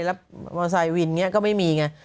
แล้วมอเซ้นต์วินงี้ก็ไม่มีไง